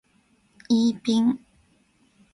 イーピン